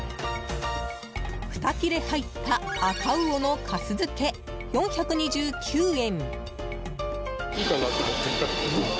２切れ入った赤魚の粕漬４２９円。